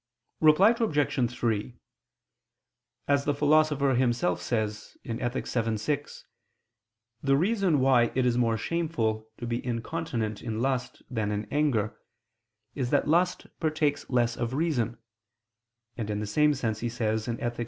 Reply Obj. 3: As the Philosopher himself says (Ethic. vii, 6), the reason why it is more shameful to be incontinent in lust than in anger, is that lust partakes less of reason; and in the same sense he says (Ethic.